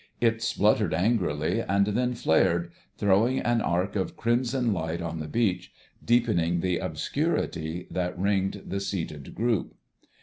It spluttered angrily and then flared, throwing an arc of crimson light on the beach, deepening the obscurity that ringed the seated group.